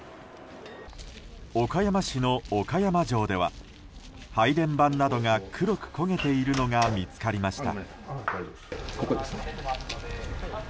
岡山市の岡山城では配電盤などが黒く焦げているのが見つかりました。